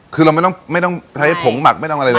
คือเราไม่ต้องใช้ผงหมักไม่ต้องอะไรเลย